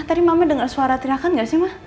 tadi mama dengar suara teriakan gak sih ma